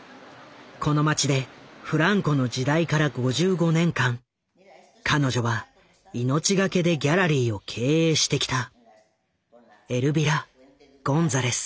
この街でフランコの時代から５５年間彼女は命懸けでギャラリーを経営してきた。